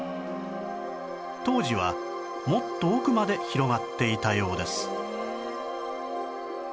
当時はもっと奥まで広がっていたようです